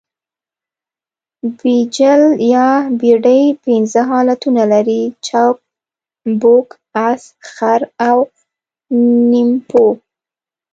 بیجل یا بډۍ پنځه حالتونه لري؛ چوک، پوک، اس، خر او نیمپو.